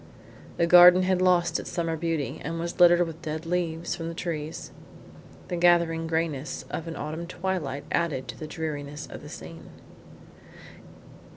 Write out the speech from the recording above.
The garden had lost its summer beauty and was littered with dead leaves from the trees. The gathering greyness of an autumn twilight added to the dreariness of the scene.